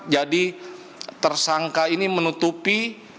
jadi tersangka ini menutupi